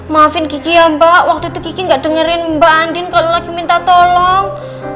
maafin gigi ya mbak waktu itu gigi nggak dengerin mbak andin kalau lagi minta tolong